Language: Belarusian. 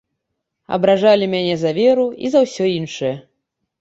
Абражалі мяне за веру і за ўсё іншае.